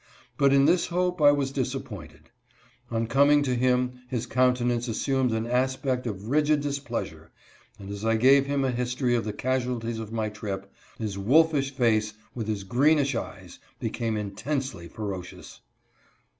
But in this hope I was disappointed. On coming to him his countenance assumed an aspect of rigid displeasure, and as I gave him a history of the casu alties of my trip, his wolfish face, with his greenish eyes, became intensely ferocious.